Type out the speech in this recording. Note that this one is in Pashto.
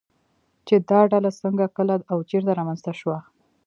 چې دا ډله څنگه، کله او چېرته رامنځته شوه